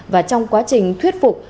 và trong quá trình thuyết phục